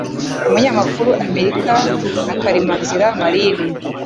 umunyamakuru Amerika na KALIMANZIRA Marine .